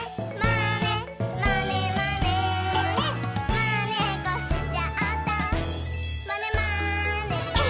「まねっこしちゃったまねまねぽん！」